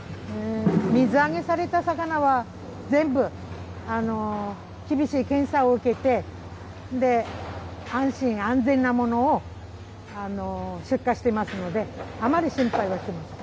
水揚げされた魚は、全部、厳しい検査を受けて、安心・安全なものを出荷してますので、あまり心配はしてません。